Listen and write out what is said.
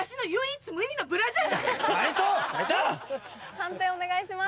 判定お願いします。